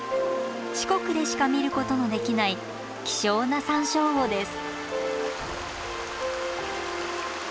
四国でしか見ることのできない希少なサンショウウオです。